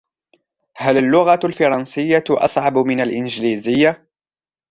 هل اللغة الفرنسية أصعب من الإنجليزية؟